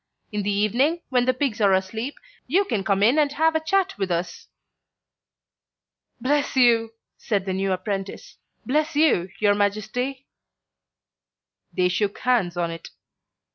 In the evening, when the pigs are asleep, you can come in and have a chat with us." "Bless you," said the new apprentice; "bless you, your Majesty." They shook hands on it.